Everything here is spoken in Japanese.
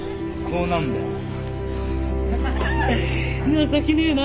情けねえな。